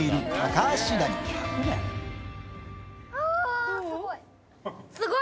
あー、すごい。